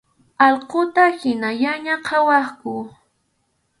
Allquta hinallaña qhawaqku.